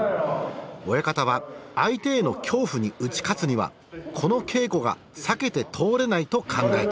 親方は相手への恐怖に打ち勝つにはこの稽古が避けて通れないと考えた。